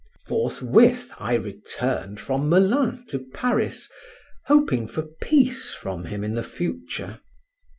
Forthwith I returned from Melun to Paris, hoping for peace from him in the future.